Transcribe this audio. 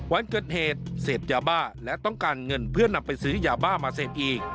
วันเกิดเหตุเสพยาบ้าและต้องการเงินเพื่อนำไปซื้อยาบ้ามาเสพอีก